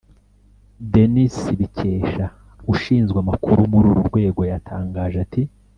Denis Bikesha ushinzwe amakuru muri uru rwego yatangaje ati